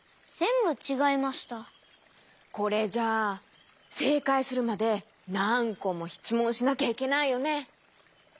これじゃあせいかいするまでなんこもしつもんしなきゃいけないよね。